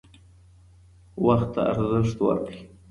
وخت ته ارزښت ورکړئ.